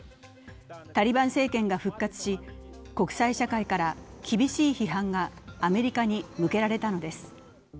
タリバン政権が復活し、国際社会から厳しい批判がアメリカに向けられたのです。